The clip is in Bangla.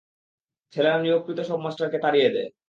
ছেলেরা নিয়োগকৃত সব মাস্টারকে তাড়িয়ে দেয়।